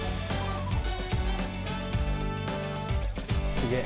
すげえ！